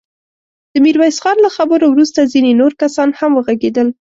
د ميرويس خان له خبرو وروسته ځينې نور کسان هم وغږېدل.